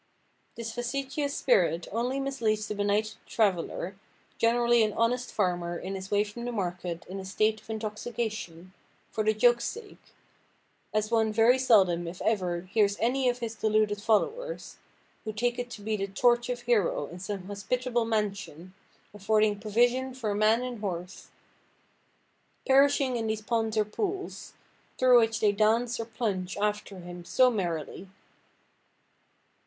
This facetious spirit only misleads the benighted traveller (generally an honest farmer, in his way from the market, in a state of intoxication) for the joke's sake, as one very seldom, if ever, hears any of his deluded followers (who take it to be the torch of Hero in some hospitable mansion, affording "provision for man and horse") perishing in these ponds or pools, through which they dance or plunge after him so merrily.